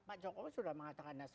pak jokowi sudah mengatakannya